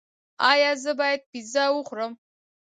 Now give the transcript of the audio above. ایا زه باید پیزا وخورم؟